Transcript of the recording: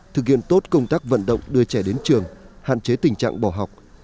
thực hiện tốt công tác vận động đưa trẻ đến trường hạn chế tình trạng bỏ học